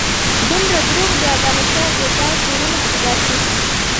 دومره دروغ، بې عدالتي او بې ځایه تورونه پیدا شي.